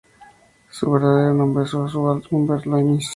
Su verdadero nombre es Oswald Hubert Loomis.